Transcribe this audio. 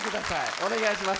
お願いします。